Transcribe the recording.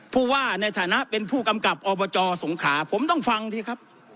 ผู้ว่าในฐานะเป็นผู้กำกับอบจสงขาผมต้องฟังสิครับ